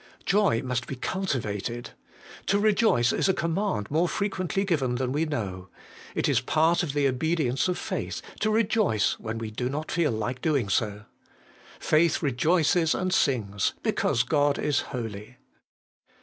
2. Joy must be cultivated. To rejoice Is a command more frequently given than we know. It is part of the obedience of faith, to rejoice when we do not feel like doing so. Faith rejoices and sings, because God is holy.